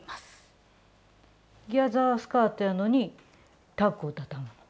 ギャザースカートやのにタックをたたむの？